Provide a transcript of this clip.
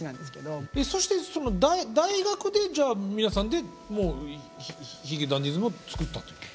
そしてその大学でじゃあ皆さんでもう髭男ｄｉｓｍを作ったってこと？